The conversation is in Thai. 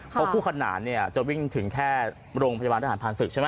เพราะคู่ขนานเนี่ยจะวิ่งถึงแค่โรงพยาบาลทหารผ่านศึกใช่ไหม